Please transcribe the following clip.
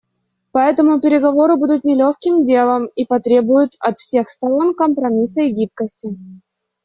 Поэтому переговоры будут нелегким делом и потребуют от всех сторон компромисса и гибкости.